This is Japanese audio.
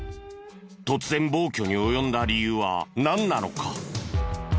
突然暴挙に及んだ理由はなんなのか？